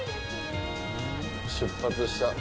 出発した。